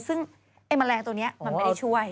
ซึ่งไอ้แมลงตัวนี้มันไม่ได้ช่วย